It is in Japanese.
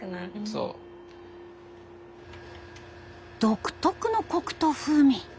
独特のコクと風味。